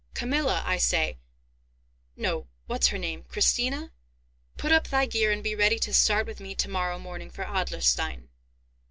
Camilla, I say—no, what's her name, Christina?—put up thy gear and be ready to start with me to morrow morning for Adlerstein."